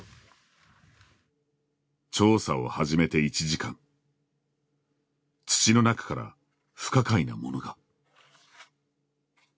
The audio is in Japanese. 調査を始めて１時間土の中から不可解なものが。